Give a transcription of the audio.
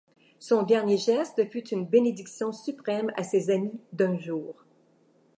Son dernier geste fut une bénédiction suprême à ses amis d’un jour.